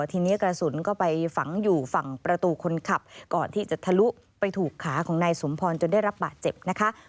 ทีนี้กระสุนก็ไปฝังอยู่ฝั่งประตูคนขับก่อนที่จะทะลุไปถูกขาของนายสมพรจนได้รับบาดเจ็บนะคะ